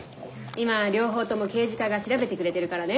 今両方とも刑事課が調べてくれてるからね。